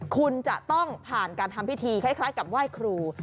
คุณจะต้องผ่านการทำพิธีคล้ายกับไหว้ครู